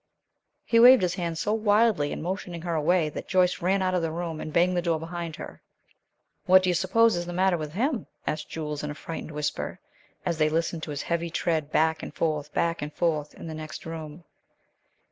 He waved his hands so wildly in motioning her away, that Joyce ran out of the room and banged the door behind her. "What do you suppose is the matter with him?" asked Jules, in a frightened whisper, as they listened to his heavy tread, back and forth, back and forth, in the next room.